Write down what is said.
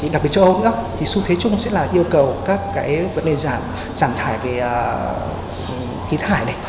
đặc biệt châu âu xu thế chung sẽ là yêu cầu các vấn đề giảm thải về khí thải